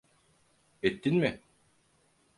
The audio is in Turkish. Ettin mi?